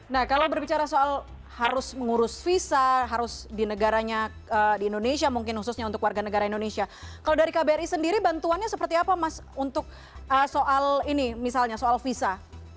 nah kalau berbicara soal harus mengurus visa harus di negaranya di indonesia mungkin khususnya untuk warga negara indonesia kalau dari kbri sendiri bantuannya seperti apa mas untuk soal ini misalnya soal visa